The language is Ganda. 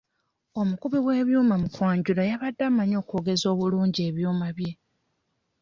Omukubi w'ebyuma mu kwanjula yabadde amanyi okwogeza obulungi ebyuma bye.